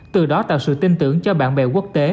từ đó tạo sự tin tưởng cho bạn bè quốc tế